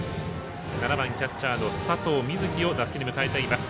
７番、キャッチャーの佐藤瑞祇を打席に迎えています。